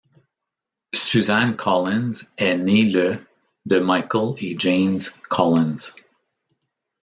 Suzanne Collins est née le de Michael et Janes Collins.